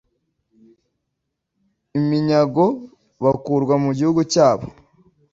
Iminyago bakurwa mu gihugu cyabo